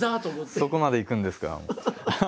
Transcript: そこまでいくんですか。